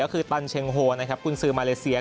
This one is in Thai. ก็คือตันเชงโฮนะครับคุณซื้อมาเลเซีย